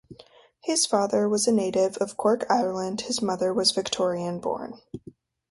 His father was a native of Cork, Ireland; his mother was Victorian-born.